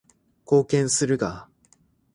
貢献するが